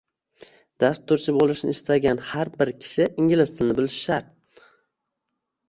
Dasturchi bo’lishni istagan har bir kishi ingliz tilini bilishi shart